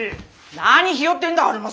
何ひよってんだ晴政！